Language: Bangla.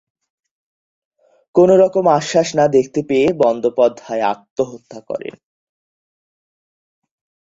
কোনও রকম আশ্বাস না দেখতে পেয়ে বন্দ্যোপাধ্যায় আত্মহত্যা করেন।